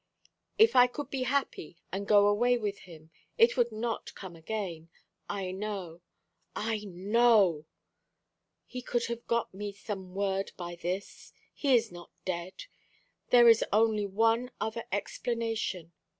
If I could be happy, and go away with him, it would not come again: I know I know. He could have got me some word by this. He is not dead. There is only one other explanation.